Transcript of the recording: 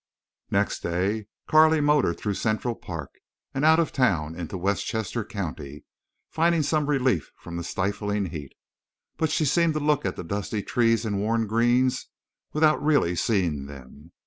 Next day Carley motored through Central Park, and out of town into Westchester County, finding some relief from the stiffing heat. But she seemed to look at the dusty trees and the worn greens without really seeing them.